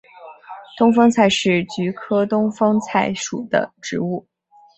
东风菜是菊科东风菜属的植物。